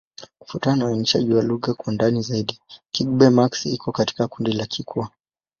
Kufuatana na uainishaji wa lugha kwa ndani zaidi, Kigbe-Maxi iko katika kundi la Kikwa.